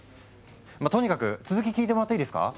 まあとにかく続き聞いてもらっていいですか？